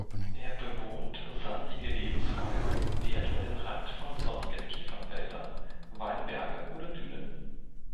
Er bewohnt sandige Lebensräume, wie etwa den Rand von sonnigen Kiefernwäldern, Weinberge oder Dünen.